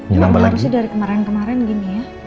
gimana harusnya dari kemarin kemarin gini ya